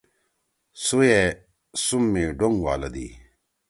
سُوئے سُم می ڈونک والَدی۔